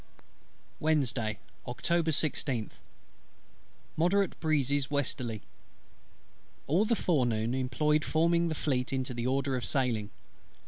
Wednesday, Oct. 16th. Moderate breezes westerly. All the forenoon employed forming the Fleet into the order of sailing.